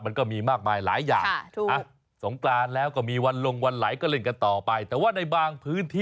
มันก็มีมากมายหลายอย่าง